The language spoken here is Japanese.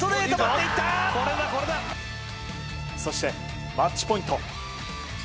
そして、マッチポイント。